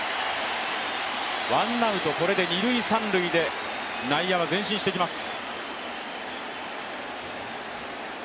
ワンアウト二・三塁で内野は前進してきます。